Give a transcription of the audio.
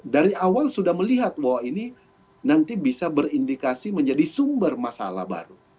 dari awal sudah melihat bahwa ini nanti bisa berindikasi menjadi sumber masalah baru